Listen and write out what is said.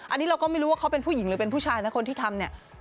อันนี้เราก็ไม่รู้ว่าเขาเป็นผู้หญิงหรือเป็นผู้ชายนะคนที่ทำเนี่ย